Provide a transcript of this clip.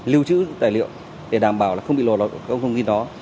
lưu trữ tài liệu để đảm bảo là không bị lộ lọt các thông tin đó